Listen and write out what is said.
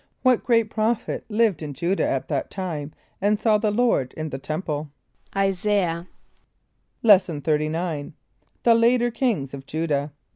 = What great prophet lived in J[=u]´dah at that time and saw the Lord in the temple? =[=I] [s+][=a]´iah.= Lesson XXXIX. The Later Kings of Judah.